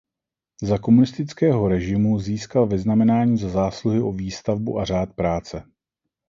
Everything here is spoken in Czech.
Za komunistického režimu získal Vyznamenání Za zásluhy o výstavbu a Řád práce.